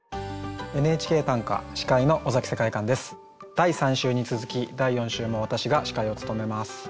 第３週に続き第４週も私が司会を務めます。